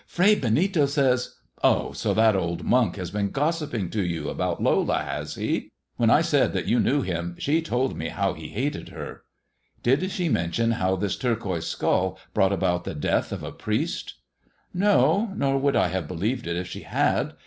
Fray Benito says "" Oh, so that old monk has been gossiping to you about Lola, has he ? When I said that you knew him she told me how he hated her." Did she mention how this turquoise skull brought about the death of a priest ?" 232 'THE TALE OF THE TURQUOISE SKULL' No ; nor would I have believed it if she had.